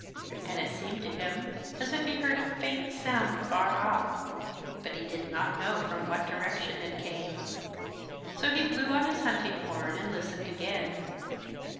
And it seemed to him as if he heard a faint sound far off, but he did not know from what direction it came. So he blew on his hunting horn and listened again.